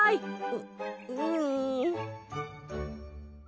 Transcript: ううん。